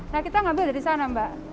nah kita ngambil dari sana mbak